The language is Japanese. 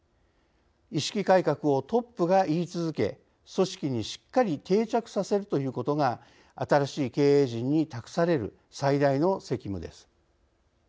意識改革をトップが言い続け組織にしっかり定着させるということが新しい経営陣に託される最大の責務です。